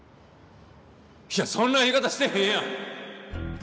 いやそんな言い方してへんやん！